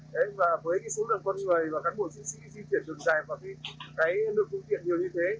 đấy và với cái số lượng con người và các bộ sĩ di chuyển đường dài vào cái nước công tiện nhiều như thế